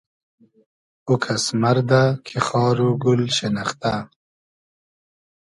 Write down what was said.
او کئس مئردۂ کی خار و گول شینیختۂ